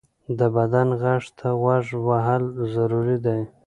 د بدن غږ ته غوږ وهل ضروري دی.